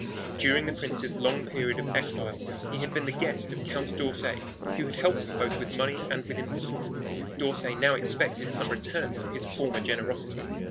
During the prince's long period of exile he had been the guest of Count d'Orsay, who had helped him both with money and with influence. D'Orsay now expected some return for his former generosity.